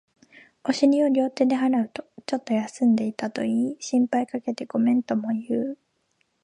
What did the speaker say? お尻を両手で払うと、ちょっと休んでいたと言い、心配かけてごめんとも言う